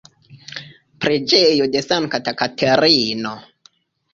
Preĝejo de Sankta Katerino.